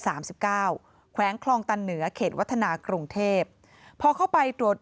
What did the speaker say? สามสิบเก้าแขวงคลองตาเนื้อเขตวัฒนากรุงเทพฯพอเข้าไปตรวจ